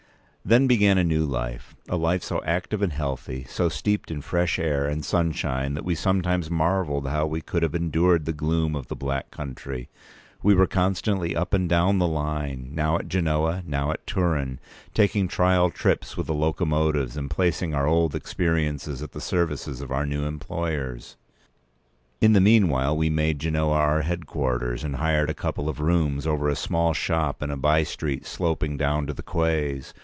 Then began a new life—a life so active and healthy, so steeped in fresh air and sunshine, that we sometimes marvelled how we could have endured the gloom of the Black Country. We were constantly up and down the line: now at Genoa, now at Turin, taking trial trips with the locomotives, and placing our old experiences at the service of our new employers. In the meanwhile we made Genoa our headquarters, and hired a couple of rooms over a small shop in a by street sloping down to the quays.